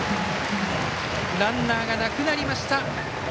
ランナーがなくなりました。